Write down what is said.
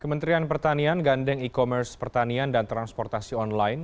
kementerian pertanian gandeng e commerce pertanian dan transportasi online